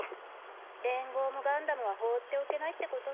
連合もガンダムは放っておけないってことね。